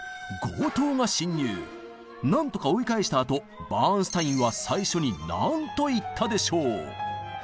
なんとか追い返したあとバーンスタインは最初に何と言ったでしょう？